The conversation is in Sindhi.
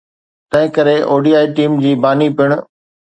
تنهن ڪري ODI ٽيم جي باني پڻ